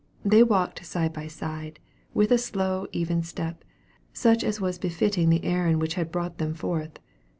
They walked side by side, with a slow even step, such as was befitting the errand which had brought them forth.